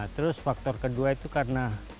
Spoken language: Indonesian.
terus faktor kedua itu karena